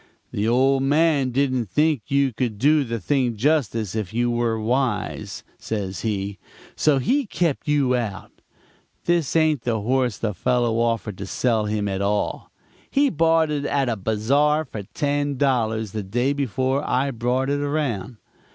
"'The old man didn't think you could do the thing justice if you were wise,' says he, 'so he kept you out. This ain't the horse the fellow offered to sell him, at all. He bought it at a bazar for ten dollars, the day before I brought it around.